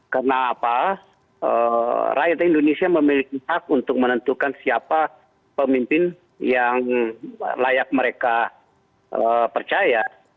karena apa rakyat indonesia memiliki hak untuk menentukan siapa pemimpin yang layak mereka percaya